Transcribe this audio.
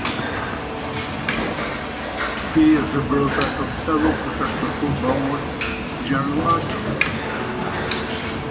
He is the brother of fellow professional footballer, Jerel Ifil.